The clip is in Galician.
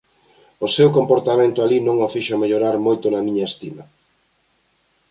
O seu comportamento alí non o fixo mellorar moito na miña estima.